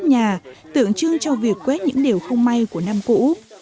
nhà tượng trưng cho việc quét những điều không may của năm cũ